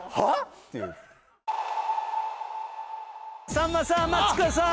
さんまさんマツコさん